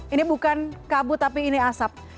ini bukan kabut tapi ini asap